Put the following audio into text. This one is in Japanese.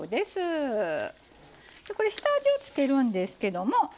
これ下味を付けるんですけども。